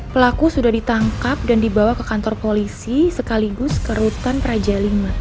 pelaku sudah ditangkap dan dibawa ke kantor polisi sekaligus ke rutan praja v